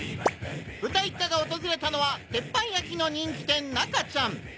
「豚一家」が訪れたのは鉄板焼きの人気店『中ちゃん』！